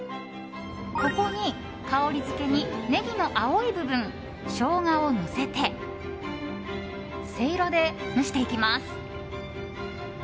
ここに香りづけにネギの青い部分ショウガをのせてせいろで蒸していきます。